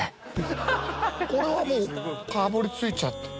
これはもうかぶりついちゃって。